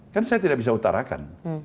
kan saya tidak bisa utarakan